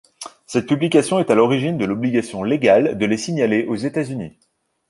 Cette publication est à l'origine de l'obligation légale de les signaler aux États-Unis.